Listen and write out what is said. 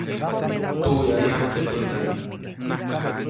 Tuwiʼayaju teʼ pändaʼm.